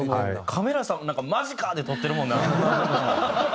カメラさんもなんか「マジか！？」で撮ってるもんな。